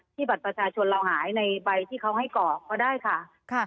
บัตรประชาชนเราหายในใบที่เขาให้กรอกก็ได้ค่ะ